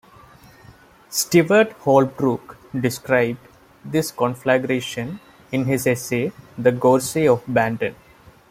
Stewart Holbrook described this conflagration in his essay The Gorse of Bandon.